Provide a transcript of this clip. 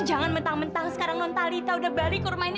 jangan mentang mentang sekarang nontalita udah balik ke rumah ini